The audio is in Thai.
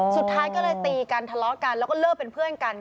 สุดท้ายก็เลยตีกันทะเลาะกันแล้วก็เลิกเป็นเพื่อนกัน